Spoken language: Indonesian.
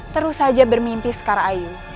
terus saja bermimpi sekara ayu